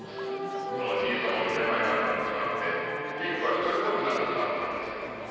そのじいさんも２年前に亡くなってしまって雪ん子は独りぼっちになってしまったんですよ。